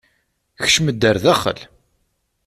Kcem-d ar daxel!